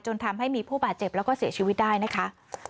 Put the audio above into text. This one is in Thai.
ทำให้มีผู้บาดเจ็บแล้วก็เสียชีวิตได้นะคะ